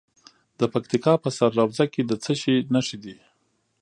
د پکتیکا په سروضه کې د څه شي نښې دي؟